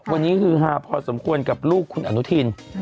วันนี้ฮือฮาพอสมควรกับลูกคุณอนุทิน